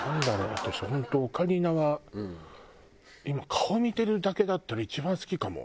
私本当オカリナが今顔見てるだけだったら一番好きかも。